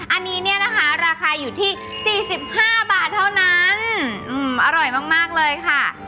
อันนี้เนี่ยนะคะราคาอยู่ที่๔๕บาทเท่านั้นอร่อยมากเลยค่ะ